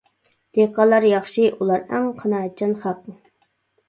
دېھقانلار ياخشى، ئۇلار ئەڭ قانائەتچان خەق.